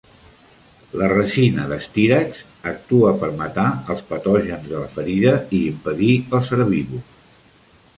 La resina de "Styrax" actua per matar els patògens de la ferida i impedir els herbívors.